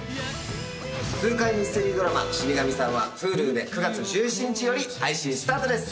痛快ミステリードラマ『死神さん』はＨｕｌｕで９月１７日より配信スタートです。